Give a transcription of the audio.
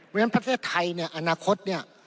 เมื่อแนนประเทศไทยเนี่ยอนาคตเนี่ย